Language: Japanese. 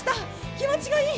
気持ちがいい。